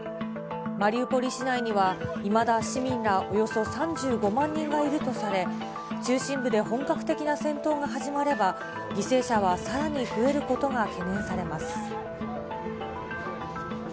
マリウポリ市内には、いまだ市民らおよそ３５万人がいるとされ、中心部で本格的な戦闘が始まれば、犠牲者はさらに増えることが懸念されます。